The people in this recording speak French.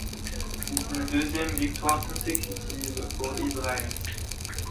C’est une deuxième victoire consécutive pour Israël.